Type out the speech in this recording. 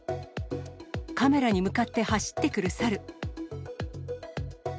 カメラに向かって走ってくる猿。